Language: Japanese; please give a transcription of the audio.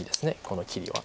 この切りは。